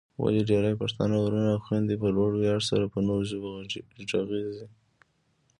ولې ډېرای پښتانه وروڼه او خويندې په لوړ ویاړ سره په نورو ژبو غږېږي؟